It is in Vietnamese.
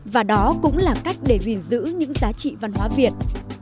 và đó cũng là cách để gìn giữ những giá trị văn hóa việt